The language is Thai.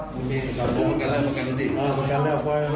คำพูดไหนที่ทำให้เราต้องบิงเขาว่ะค่ะ